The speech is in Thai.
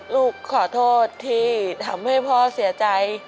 ลูกขอโทษที่ทำให้พ่อเสียใจ